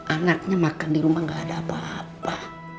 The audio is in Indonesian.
anaknya makan di rumah gak ada apa apa